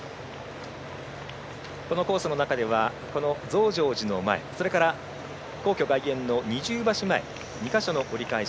このコースの中では増上寺の前それから、皇居外苑の二重橋前２か所の折り返し。